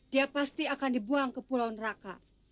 dia pasti akan dibuang ke pulau neraka